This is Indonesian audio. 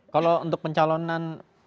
kalau untuk pencalonan